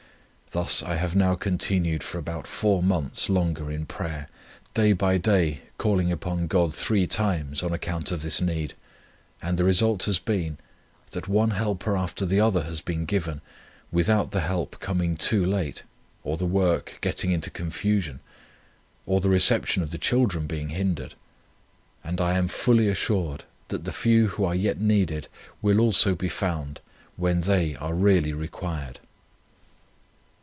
Thus I have now continued for about four months longer in prayer, day by day calling upon God three times on account of this need, and the result has been, that one helper after the other has been given, without the help coming too late, or the work getting into confusion; or the reception of the children being hindered; and I am fully assured, that the few who are yet needed will also be found, when they are really required."